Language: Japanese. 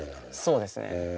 そうですね。